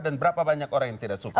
berapa banyak orang yang tidak suka